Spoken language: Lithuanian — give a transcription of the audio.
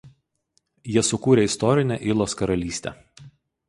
Jie sukūrė istorinę Ilos karalystę.